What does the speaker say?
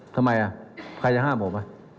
ทำไมใครจะห้ามผม